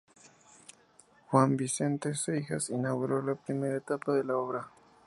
Juan Vicente Seijas inauguró la primera etapa de la obra.